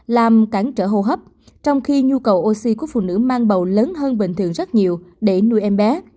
làm cản trở hô hấp trong khi nhu cầu oxy của phụ nữ mang bầu lớn hơn bình thường rất nhiều để nuôi em bé